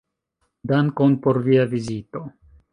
Dankon por via vizito.